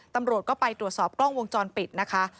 ตำรวจก็ไปตรวจสอบกล้องวงจรปิดนะคะ